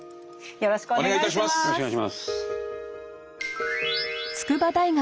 よろしくお願いします。